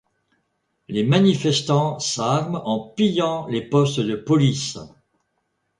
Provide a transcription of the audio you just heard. Les manifestants s’arment en pillant les postes de police.